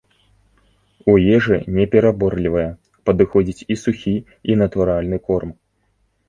У ежы непераборлівая, падыходзіць і сухі, і натуральны корм.